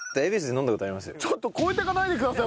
ちょっと超えていかないでくださいよ